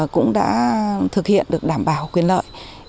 cũng đã thực hiện được đảm bảo quyền lợi